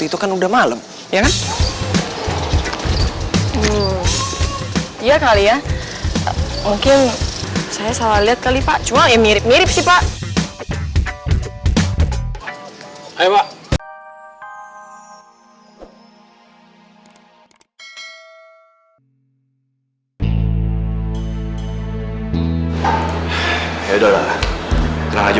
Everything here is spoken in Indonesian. gue nggak boleh diem aja